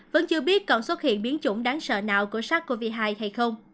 vẫn chưa biết còn xuất hiện biến chủng đáng sợ nào của sars cov hai hay không